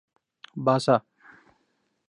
باسا